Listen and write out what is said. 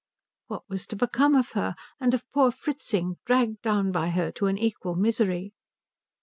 What was to become of her, and of poor Fritzing, dragged down by her to an equal misery?